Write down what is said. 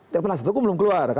ya pernah satu aku belum keluar kan